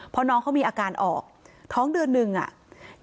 พอน้องเขามีอาการออกท้องเดือนหนึ่งอ่ะ